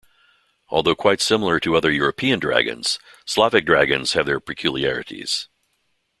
Although quite similar to other European dragons, Slavic dragons have their peculiarities.